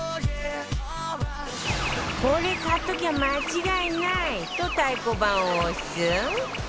これ買っときゃ間違いないと太鼓判を押す